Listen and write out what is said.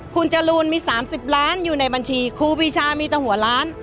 คุณจรูนมี๓๐ล้านอยู่ในบัญชีครูปีชามีแต่หัวล้าน